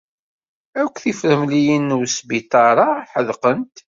Akk tifremliyin n wesbiṭar-a ḥedqent.